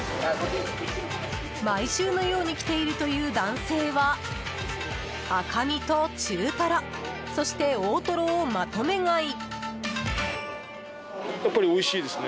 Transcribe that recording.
毎週のように来ているという男性は赤身と中トロそして大トロをまとめ買い。